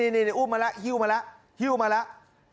นี่อุ้มมาแล้วฮิ้วมาแล้วหิ้วมาแล้ว